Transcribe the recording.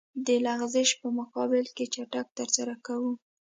د لغزش په مقابل کې چک ترسره کوو